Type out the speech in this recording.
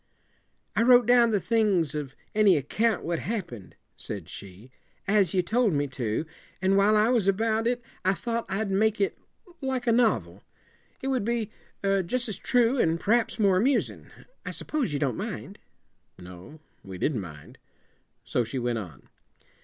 "I wrote down the things of any account what happened," said she, "as you told me to, and while I was about it I thought I'd make it like a novel. It would be jus' as true, and p'r'aps more amusin'. I suppose you don't mind?" No, we didn't mind. So she went on.